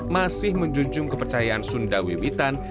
masih menjunjung kepercayaan sunda wiwitan